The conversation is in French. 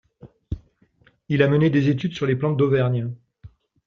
Il a mené des études sur les plantes d’Auvergne.